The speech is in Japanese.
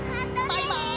バイバイ。